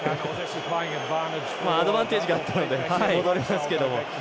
アドバンテージだったので戻りますけど。